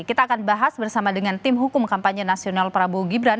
kita akan bahas bersama dengan tim hukum kampanye nasional prabowo gibran